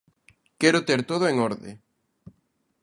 Quero ter todo en orde.